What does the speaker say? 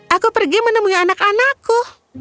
aku pergi menemui anak anakku